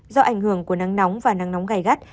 do ảnh hưởng của năng nóng và năng nóng gai gắt